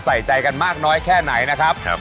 ใส่ใจกันมากน้อยแค่ไหนนะครับ